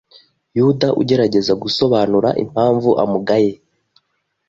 Yuda ugerageza gusobanura impamvu amugaye